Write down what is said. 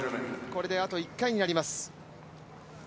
これであと１回になります。